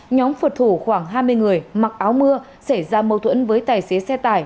nhóm phật thủ khoảng hai mươi người mặc áo mưa xảy ra mâu thuẫn với tài xế xe tải